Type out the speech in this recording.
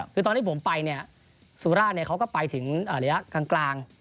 คือตอนที่ผมไปเนี่ยสุราชเขาก็ไปถึงระยะกลาง